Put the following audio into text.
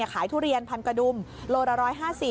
ทุเรียนพันกระดุมโลละ๑๕๐